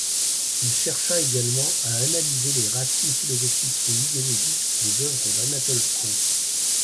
Il chercha également à analyser les racines philosophiques et idéologiques des œuvres d’Anatole France.